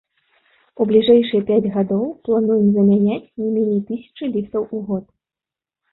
У бліжэйшыя пяць гадоў плануем замяняць не меней тысячы ліфтаў у год.